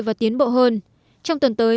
và tiến bộ hơn trong tuần tới